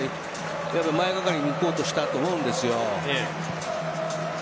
前がかりにいこうとしたと思うんですよ。